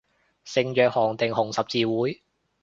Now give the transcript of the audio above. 聖約翰定紅十字會